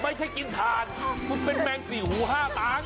ไม่ใช่กินถ่านคุณเป็นแมงสี่หูห้าตางค